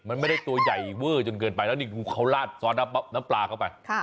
มันไม่ได้ตัวใหญ่เวอร์จนเกินไปแล้วนี่คือเขาลาดซอสน้ำปลาเข้าไป